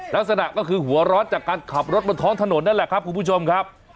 ลักษณะก็คือหัวร้อนจากการขับรถบนท้องถนนนั่นแหละครับคุณผู้ชมครับ